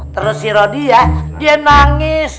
terus si rodia dia nangis